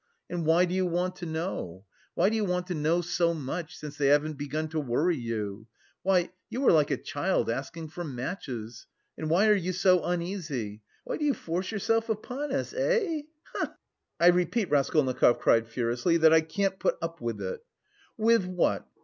"And why do you want to know, why do you want to know so much, since they haven't begun to worry you? Why, you are like a child asking for matches! And why are you so uneasy? Why do you force yourself upon us, eh? He he he!" "I repeat," Raskolnikov cried furiously, "that I can't put up with it!" "With what?